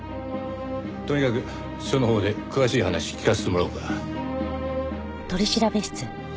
とにかく署のほうで詳しい話聞かせてもらおうか。